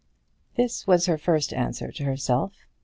This was her first answer to herself.